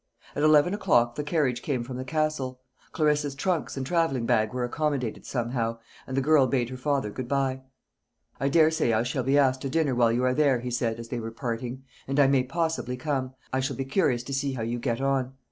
At eleven o'clock the carriage came from the Castle; Clarissa's trunks and travelling bag were accommodated somehow; and the girl bade her father good bye. "I daresay I shall be asked to dinner while you are there," he said, as they were parting, "and I may possibly come; I shall be curious to see how you get on."